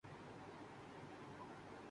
"جن میں ایک عورت "قطام" بھی شامل تھی"